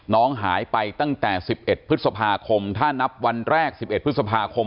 น้องหายไปตั้งแต่๑๑พฤษภาคมถ้านับวันแรก๑๑พฤษภาคม